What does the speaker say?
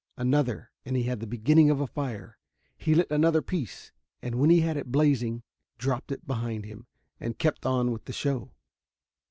Another, and he had the beginning of a fire. He lit another piece, and, when he had it blazing, dropped it behind him and kept on with the show.